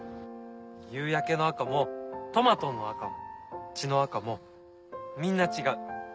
夕焼けの赤もトマトの赤も血の赤もみんな違う。